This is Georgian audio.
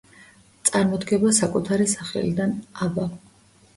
წარმოდგება საკუთარი სახელიდან „აბა“.